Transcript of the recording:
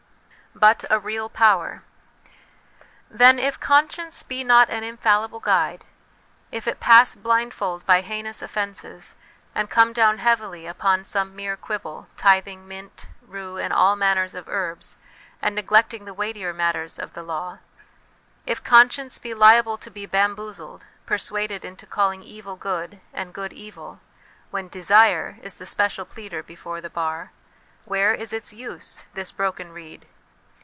But a real Power. Then, if conscience be not an infallible guide if it pass blindfold by heinous offences, and come down heavily upon some mere quibble, tithing mint, rue, and all manner of herbs, and neglecting the weightier matters of the law if conscience be liable to be bamboozled, persuaded into calling evil good and good evil, when Desire is the special pleader before the bar, where is its use, this broken reed